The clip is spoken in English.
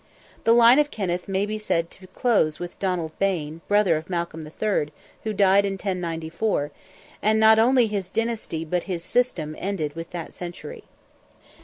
The line of Kenneth may be said to close with Donald Bane, brother of Malcolm III., who died in 1094, and not only his dynasty but his system ended with that century.